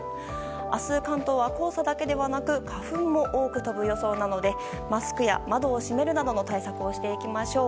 明日、関東は黄砂だけではなく花粉も多く飛ぶ予想なのでマスクや窓を閉めるなどの対策をしていきましょう。